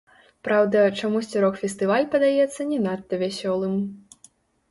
Праўда, чамусьці рок-фестываль падаецца не надта вясёлым.